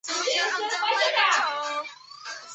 贞观十一年刺史。